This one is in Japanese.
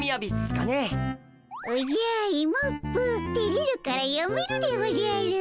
おじゃイモップてれるからやめるでおじゃる。